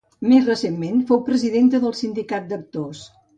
Més recentment, fou presidenta del Sindicat d'Actors.